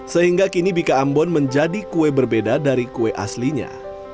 sehingga kini bika ambon menjadi kue berbeda dari kue aslinya